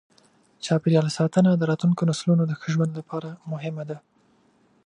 چاپېریال ساتنه د راتلونکو نسلونو د ښه ژوند لپاره مهمه ده.